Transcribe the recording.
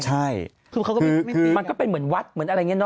ใช่คือเขาก็เป็นเหมือนวัดเหมือนอะไรอย่างนี้เนอ